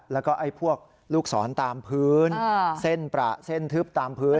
แล้วก็ไอ้พวกลูกศรตามพื้นเส้นประเส้นทึบตามพื้น